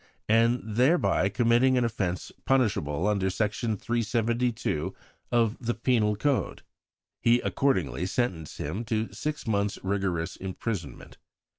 and thereby committing an offence punishable under Section 372 of the Penal Code. He accordingly sentenced him to six months' rigorous imprisonment.